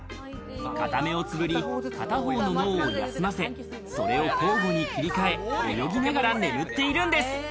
片目をつぶり、片方の脳を休ませ、それを交互に切り替え、泳ぎながら眠っているんです。